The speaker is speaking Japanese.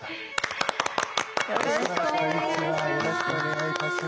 よろしくお願いします。